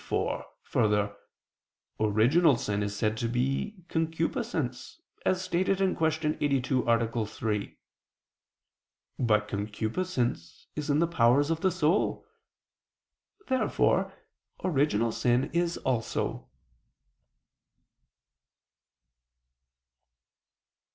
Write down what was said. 4: Further, original sin is said to be concupiscence, as stated (Q. 82, A. 3). But concupiscence is in the powers of the soul. Therefore original sin is also.